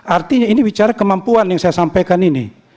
artinya ini bicara kemampuan yang saya sampaikan ini